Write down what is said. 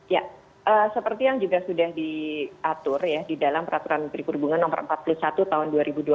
ya seperti yang juga sudah diatur ya di dalam peraturan menteri perhubungan no empat puluh satu tahun dua ribu dua puluh